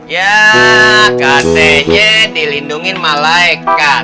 ya katanya dilindungi malaikat